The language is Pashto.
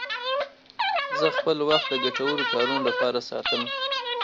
زه خپل وخت د ګټورو کارونو لپاره ساتم.